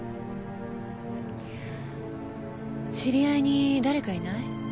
知り合いに誰かいない？